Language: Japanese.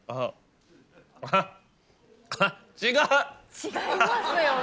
違いますよね。